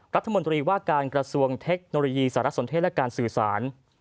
รัฐมนตรีว่าการกระทรวงเทคโนโลยีสารสนเทศและการสื่อสาร